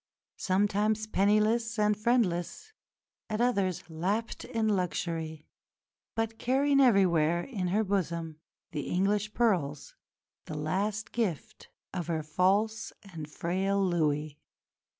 Sometimes penniless and friendless, at others lapped in luxury; but carrying everywhere in her bosom the English pearls, the last gift of her false and frail Louis.